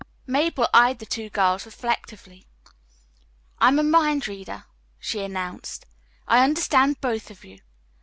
Mabel eyed the two girls reflectively. "I'm a mind reader," she announced. "I understand both of you.